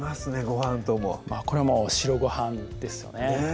ごはんともこれはもう白ごはんですよねねぇ